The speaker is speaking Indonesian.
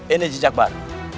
ini jejak baru